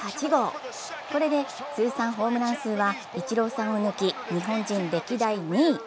これで通算ホームラン数はイチローさんを抜き日本人歴代２位。